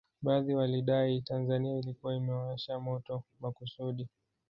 Baadhi walidai Tanzania ilikuwa imewasha moto makusudi